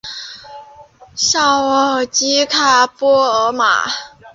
绍尔基卡波尔瑙。